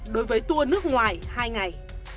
đối với tour nước ngoài hai ngày